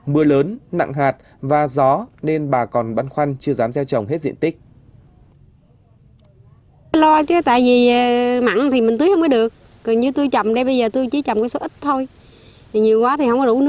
mưa lớn nặng hạt và gió nên bà con băn khoăn chưa dám gieo trồng hết diện tích